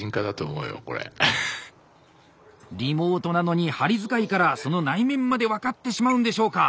リモートなのに針づかいからその内面まで分かってしまうんでしょうか。